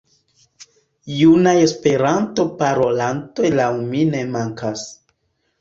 Junaj Esperanto-parolantoj laŭ mi ne mankas.